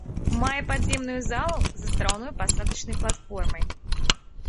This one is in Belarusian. Мае падземную залу з астраўной пасадачнай платформай.